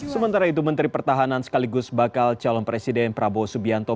sementara itu menteri pertahanan sekaligus bakal calon presiden prabowo subianto